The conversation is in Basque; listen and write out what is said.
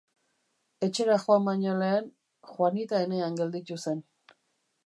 Etxera joan baino lehen, Juanitaenean gelditu zen.